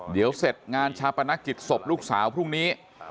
เดี๋ยวเสร็จงานชาปนกิจศพลูกสาวพรุ่งนี้